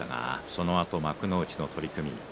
そのあと幕内の取組。